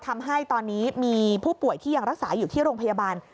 มีผู้ป่วยที่ยังรักษาอยู่ที่โรงพยาบาล